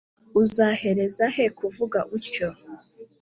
“uzahereza he kuvuga utyo’